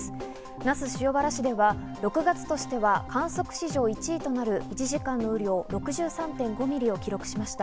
那須塩原市では６月としては観測史上１位となる１時間の雨量６３．５ミリを記録しました。